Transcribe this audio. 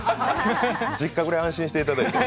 実家くらい安心していただいて。